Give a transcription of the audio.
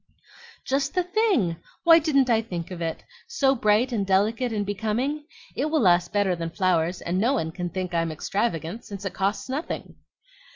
"Just the thing! Why didn't I think of it? So bright and delicate and becoming? It will last better than flowers; and no one can think I'm extravagant, since it costs nothing."